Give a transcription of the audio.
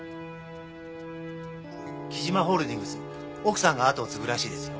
貴島ホールディングス奥さんが後を継ぐらしいですよ。